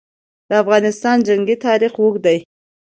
د افغانستان جنګي تاریخ اوږد دی.